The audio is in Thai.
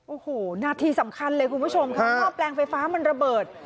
โอ้โหนาทีสำคัญเลยคุณผู้ชมค่ะหม้อแปลงไฟฟ้ามันระเบิด